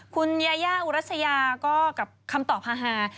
คุณยาย่าอุรัสยาก็กับคำตอบฮา